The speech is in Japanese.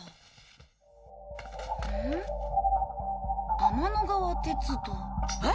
「天の川鉄道」えっ？